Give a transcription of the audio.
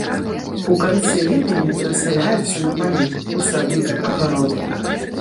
У канцы ліпеня перасяляецца на палі, у сады, агароды.